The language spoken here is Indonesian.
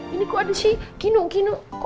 ini kok ada sih kinuk kinuk